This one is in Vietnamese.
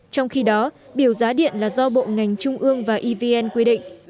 trong khi đó biểu giá điện là do bộ ngành trung ương và evn quy định